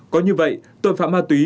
có như vậy tội phạm ma túy